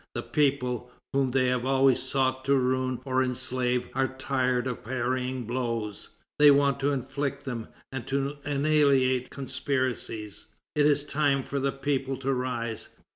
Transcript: The people, whom they have always sought to ruin or enslave, are tired of parrying blows. They want to inflict them, and to annihilate conspiracies. It is time for the people to rise.